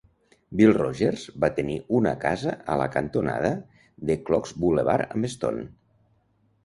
Will Rogers va tenir una casa a la cantonada de Clocks Boulevard amb Stone.